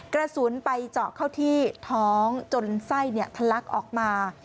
กระสุนไปเจาะเข้าที่ท้องจนไส้ทะลักออกมา